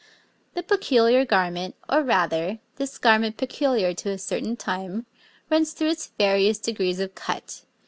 The peculiar garment, or rather, this garment peculiar to a certain time, runs through its various degrees of cut.